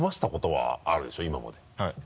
はい。